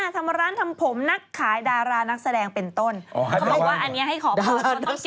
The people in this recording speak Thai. เขาบอกว่าอันนี้ให้ขอปล่อย